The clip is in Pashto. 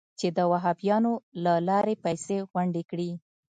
چې د وهابیانو له لارې پیسې غونډې کړي.